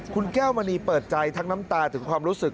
คุณแก้วมณีเปิดใจทั้งน้ำตาถึงความรู้สึก